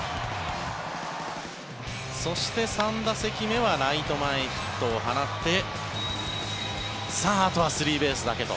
そして、３打席目はライト前ヒットを放ってさあ、あとはスリーベースだけと。